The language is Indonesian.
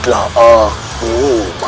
tidak ada apa apa